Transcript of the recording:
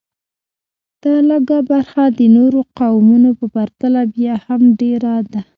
دا لږه برخه د نورو قومونو په پرتله بیا هم ډېره ده